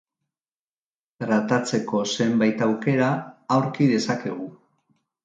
Tratatzeko zenbait aukera aurki dezakegu.